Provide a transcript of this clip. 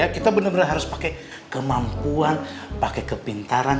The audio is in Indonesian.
kita bener bener harus pakai kemampuan pakai kepintaran